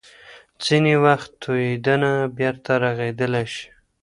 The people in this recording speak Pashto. ځینې وخت تویېدنه بیرته رغېدلی شي.